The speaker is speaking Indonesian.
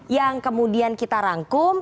yang kemudian kita rangkum